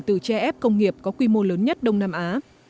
từ tre ép công nghiệp có quy mô lớn nhất đông nam á